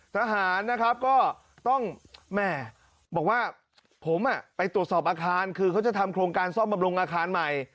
ทหารนะครับก็ต้องแม่บอกว่าผมไปตรวจสอบอาคารคือเขาจะทำโครงการซ่อมบำรุงอาคารใหม่